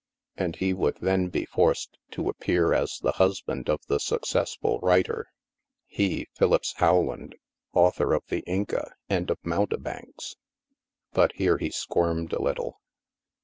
And he would then be forced to appear as the husband of the successful writer. He, Philippse Rowland, author of "The Inca" and of "Mountebanks." (But here he squirmed a little.)